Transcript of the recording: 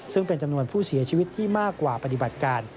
ซึ่งเป็นจำนวนผู้เสียชีวิตที่มากกว่าปฏิบัติการ